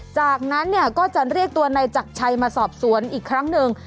จากนั้นเนี่ยก็จะเรียกตัวนายจักรชัยมาสอบสวนอีกครั้งหนึ่ง